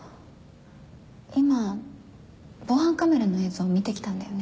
今防犯カメラの映像見てきたんだよね？